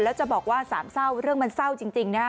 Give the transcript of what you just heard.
แล้วจะบอกว่าสามเศร้าเรื่องมันเศร้าจริงนะฮะ